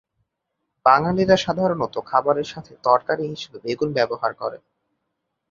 বাঙালিরা সাধারণত খাবারের সাথে তরকারী হিসাবে বেগুন ব্যবহার করে।